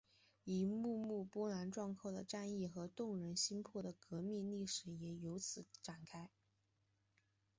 一幕幕波澜壮阔的战役和动人心魄的革命历史也由此展开。